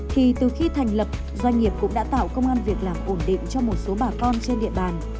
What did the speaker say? thì từ khi thành lập doanh nghiệp cũng đã tạo công an việc làm ổn định cho một số bà con trên địa bàn